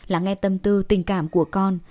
lắng nghe tâm tư tình cảm của con